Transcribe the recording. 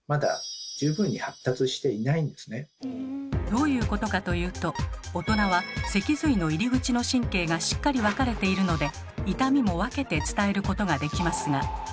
どういうことかというと大人は脊髄の入り口の神経がしっかり分かれているので痛みも分けて伝えることができますが。